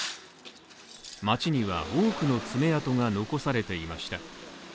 街には多くの爪痕が残されていました。